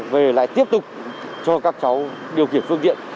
về lại tiếp tục cho các cháu điều khiển phương tiện